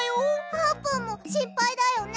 あーぷんもしんぱいだよね？